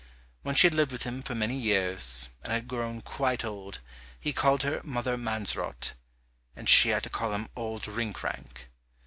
When she had lived with him for many years, and had grown quite old, he called her Mother Mansrot, and she had to call him Old Rinkrank.